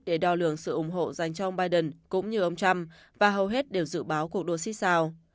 để đo lường sự ủng hộ dành cho ông biden cũng như ông trump và hầu hết đều dự báo cuộc đua xích sao